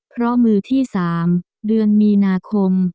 เพราะมือที่๓เดือนมีนาคม